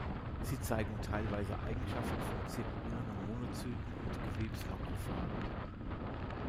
Sie zeigen teilweise Eigenschaften von zirkulierenden Monozyten und Gewebs-Makrophagen.